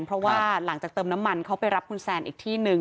เพราะว่าหลังจากเติมน้ำมันเขาไปรับคุณแซนอีกที่หนึ่ง